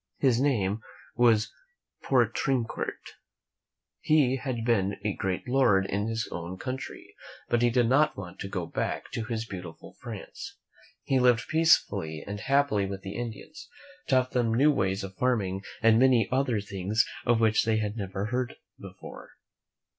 His name was Poutrincourt. He m JUk] '.'«*!«*&" •iii THE FATHER OF NEW FRANCE ■'■£ 4 r^ ••»!»>".^.:':':^^' had been a great lord in his own country, but he did not want to go back to his beautiful France. He lived peacefully and happily with the Indians, taught them new ways of farming and many other things of which they had never heard before.